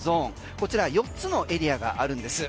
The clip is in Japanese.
こちら四つのエリアがあるんです。